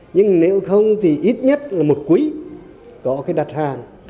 nhưng nếu không thì ít nhất là một quỹ có cái đặt hàng